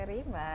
rugby mbak ira